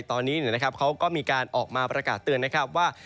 ตอนนี้เขาก็มีการออกมาประกาศเตือนนะครับว่า